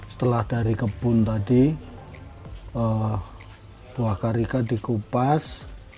setelah dari kebun tadi buah karika dikupas